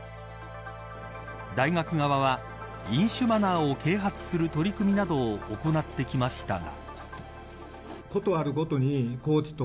大学側は、飲酒マナーを啓発する取り組みなどを行ってきましたが。